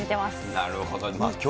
なるほど。